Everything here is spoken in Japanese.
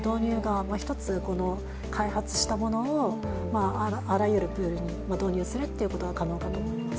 一つ開発したものを、あらゆるプールに導入するということが可能かと思います。